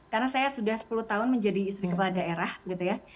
karena saya sudah sepuluh tahun menjadi istri kepala daerah gitu ya